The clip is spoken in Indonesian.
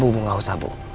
bu gak usah bu